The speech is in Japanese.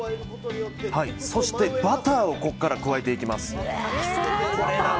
そして、バターをここから加えていきます。